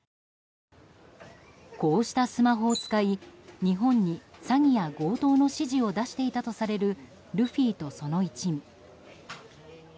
こうしたスマホを使い日本に詐欺や強盗の指示を出していたとされるルフィとその一味。